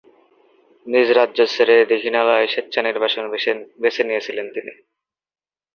নিজ রাজ্য ছেড়ে দীঘিনালায় স্বেচ্ছা নির্বাসন বেছে নিয়েছিলেন তিনি।